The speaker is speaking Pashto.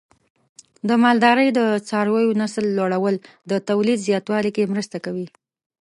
د مالدارۍ د څارویو نسل لوړول د تولید زیاتوالي کې مرسته کوي.